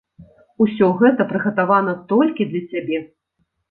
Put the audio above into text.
Усё гэта прыгатавана толькі для цябе.